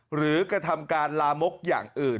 กระทำการลามกอย่างอื่น